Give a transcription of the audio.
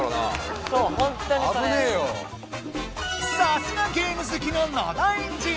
さすがゲーム好きの野田エンジ！